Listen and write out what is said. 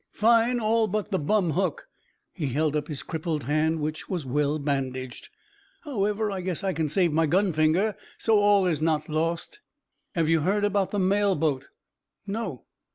"Fine all but the bum hook." He held up his crippled hand, which was well bandaged. "However, I guess I can save my gun finger, so all is not lost." "Have you heard about the mail boat?" "No."